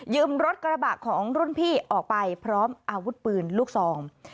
รถกระบะของรุ่นพี่ออกไปพร้อมอาวุธปืนลูกซอง